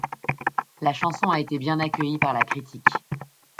La chanson a été bien accueillie par la critique.